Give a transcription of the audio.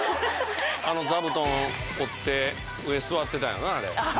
あの座布団折って上座ってたんやろなあれ。